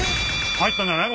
入ったんじゃない？